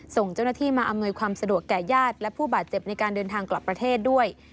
ส่งเจ้าหน้าที่มาอำนวยความสะดวกแก่ญาติและผู้บาดเจ็บในการเดินทางกลับประเทศด้วย